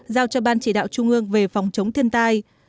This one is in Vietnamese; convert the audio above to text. giao cho ban chỉ đạo trung ương về phòng chống thiên tai